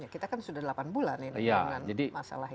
kita kan sudah delapan bulan ini dengan masalah ini